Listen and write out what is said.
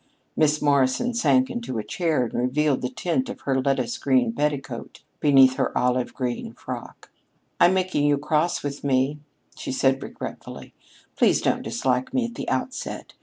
Miss Morrison sank into a chair and revealed the tint of her lettuce green petticoat beneath her olive green frock. "I'm making you cross with me," she said regretfully. "Please don't dislike me at the outset.